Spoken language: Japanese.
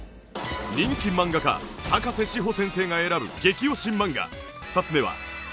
人気漫画家高瀬志帆先生が選ぶ激推し漫画２つ目は。